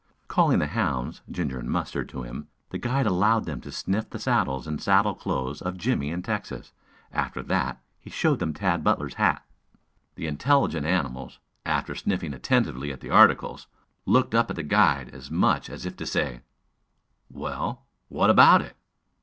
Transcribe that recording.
Calling the hounds, Ginger and Mustard, to him, the guide allowed them to sniff the saddles and saddle cloths of Jimmie and Texas. After that, he showed them Tad Butler's hat. The intelligent animals, after sniffing attentively at the articles, looked up at the guide as much as if to say: "Well, what about it?"